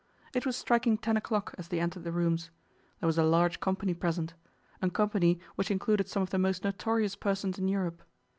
It was striking ten o'clock as they entered the rooms. There was a large company present a company which included some of the most notorious persons in Europe.